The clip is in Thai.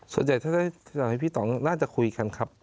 ส่วนใหญ่น่าจะคุยกันครับ